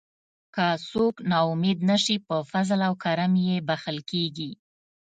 که څوک نا امید نشي په فضل او کرم یې بښل کیږي.